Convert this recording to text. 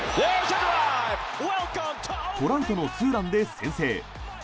トラウトのツーランで先制。